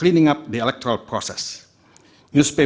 atau menyelesaikan proses elektronik